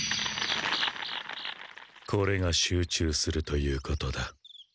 これが集中するということだ。